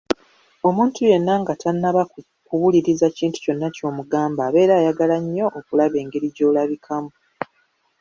Omuntu yenna nga tannaba kuwuliriza kintu kyonna ky'omugamba abeera ayagala nnyo okulaba engeri gy'olabikamu.